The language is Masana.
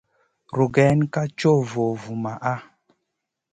Rugayn ká co vo vumaʼa.